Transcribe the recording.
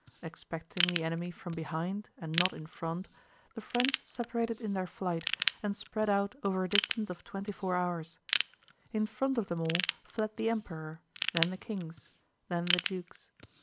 Expecting the enemy from behind and not in front, the French separated in their flight and spread out over a distance of twenty four hours. In front of them all fled the Emperor, then the kings, then the dukes.